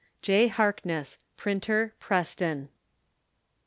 J. Harkness, Printer, Preston.